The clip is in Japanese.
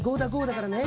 だからね